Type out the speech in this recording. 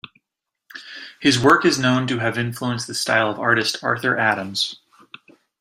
His work is known to have influenced the style of artist Arthur Adams.